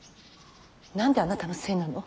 何であなたのせいなの。